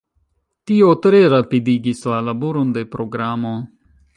Tio tre rapidigis la laboron de programo.